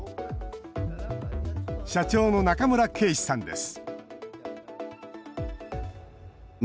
社長の中村圭志さんです